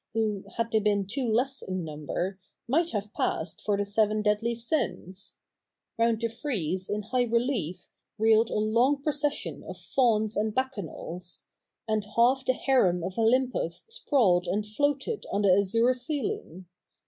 i] THE NEW REPUBLIC 71 who, had they been two less in number, might have passed for the seven deadly sins ; round the frieze in high relief reeled a long procession of Fauns and Bac chanals ; and half the harem of Olympus sprawled and floated on the azure ceiling.